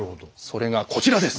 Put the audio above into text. それがこちらです。